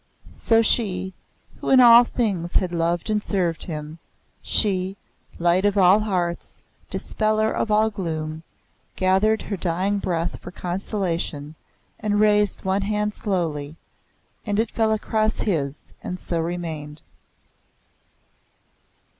So she, who in all things had loved and served him, she, Light of all hearts, dispeller of all gloom, gathered her dying breath for consolation, and raised one hand slowly; and it fell across his, and so remained.